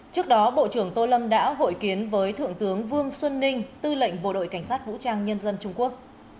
trước đó bộ trưởng tô lâm đã hội kiến với thượng tướng vương xuân ninh tư lệnh bộ đội cảnh sát vũ trang nhân dân trung quốc